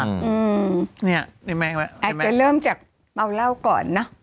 อาจจะเริ่มจากเมาเหล้าก่อนเนอะ